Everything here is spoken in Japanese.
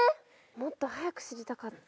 もっと早く知りたかった。